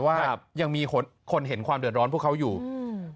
ว่ายังมีคนคนเห็นความเดือดร้อนพวกเขาอยู่อืม